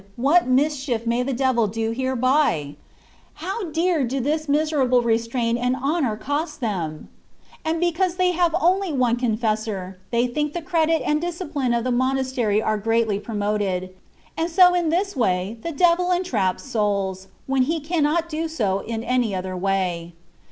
what mischief may the devil do hereby ! How dear do this miserable restraint and honour cost them ! And because they have only one con fessor, they think the credit and discipline of the monastery are greatly promoted; and so in this way the devil entraps souls, when he cannot do so inLyotherway.